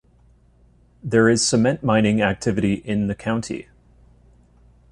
There is cement mining activity in the county.